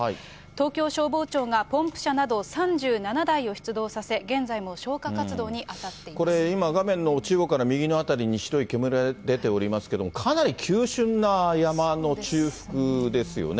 東京消防庁がポンプ車など３７台を出動させ、これ、画面の中央から右の辺りに白い煙が出ておりますけども、かなり急峻な山の中腹ですよね。